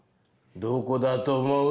どこだと思う？